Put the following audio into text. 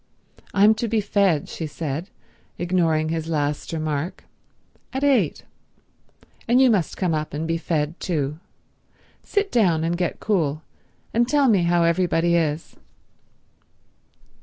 "I'm to be fed," she said, ignoring his last remark, "at eight, and you must come up and be fed too. Sit down and get cool and tell me how everybody is."